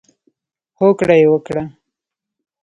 هوکړه یې وکړه.